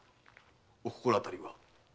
お心当たりは？